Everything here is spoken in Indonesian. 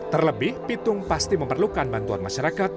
terlebih pitung pasti memerlukan bantuan masyarakat